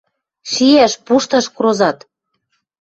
Шиӓш, пушташ крозат.